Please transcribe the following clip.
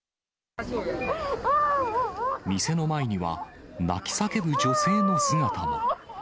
店の前には、泣き叫ぶ女性の姿も。